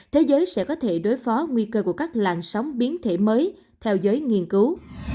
thế giới sẽ có thể đối phó nguy cơ của các làn sóng biến thể mới theo giới nghiên cứu